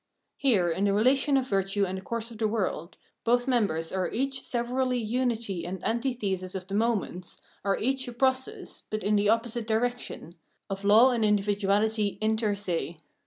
Here, in the relation of virtue and the course of the world, both members are each severally unity and antithesis of the moments, are each a process, but in an opposite direction, of law and indi viduahty inter se.